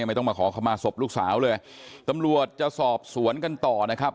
ไม่ต้องมาขอเข้ามาศพลูกสาวเลยตำรวจจะสอบสวนกันต่อนะครับ